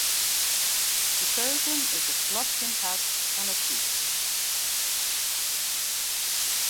De keuken is it klopjend hart fan it hús.